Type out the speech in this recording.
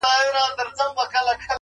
ورباندي پايمه په دوو سترگو په څو رنگه،